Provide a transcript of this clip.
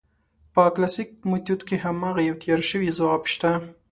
په کلاسیک میتود کې هماغه یو تیار شوی ځواب شته.